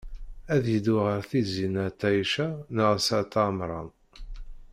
Ad yeddu ɣer Tizi n at Ɛica neɣ s at Ɛemṛan?